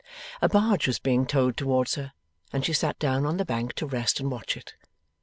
A barge was being towed towards her, and she sat down on the bank to rest and watch it.